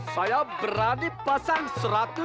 saya berani pasang seratus skeping